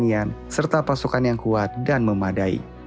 dengan produktivitas pertanian serta pasukan yang kuat dan memadai